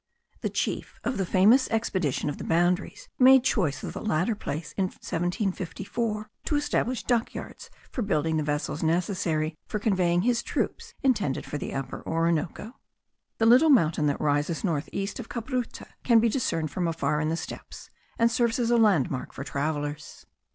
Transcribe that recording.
The chief of the famous expedition of the boundaries made choice of the latter place in 1754 to establish dock yards for building the vessels necessary for conveying his troops intended for the Upper Orinoco. The little mountain that rises northeast of Cabruta can be discerned from afar in the steppes and serves as a landmark for travellers.